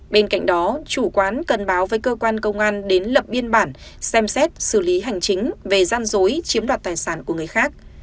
bên cạnh đó chủ quán cần báo với cơ quan công an đến lập biên bản xem xét xử lý hành chính về gian dối chiếm đoạt tài sản của người khác